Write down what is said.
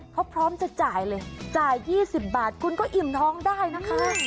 เขาพร้อมจะจ่ายเลยจ่าย๒๐บาทคุณก็อิ่มท้องได้นะคะ